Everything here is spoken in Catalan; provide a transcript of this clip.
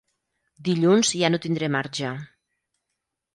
Dilluns ja no tindré marge.